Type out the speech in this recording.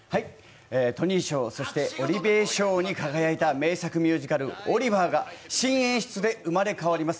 トニー賞そしてオリヴィエ賞に輝いた名作ミュージカル「オリバー！」が新演出で生まれ変わります。